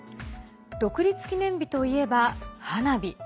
独立記念日といえば花火。